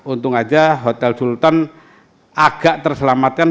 untung aja hotel sultan agak terselamatkan